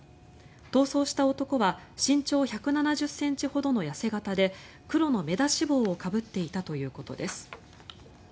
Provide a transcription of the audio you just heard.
逃走した男は身長１７０ｃｍほどの痩せ形で黒の目出し帽をかぶっていたということです。